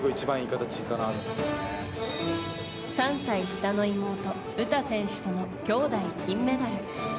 ３歳下の妹・詩選手との兄妹金メダル。